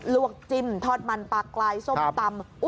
วกจิ้มทอดมันปลากลายส้มตำ